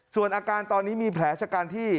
ส่วนอาการตอนนี้มีแผลชะกันที่